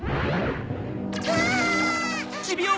うわ！